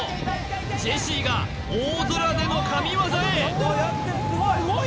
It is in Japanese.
ジェシーが大空での神業へ！